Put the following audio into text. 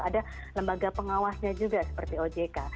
ada lembaga pengawasnya juga seperti ojk